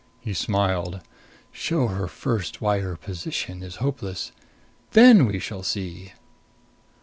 He smiled. "Show her first why her position is hopeless. Then we shall see."